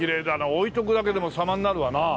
置いとくだけでも様になるわな。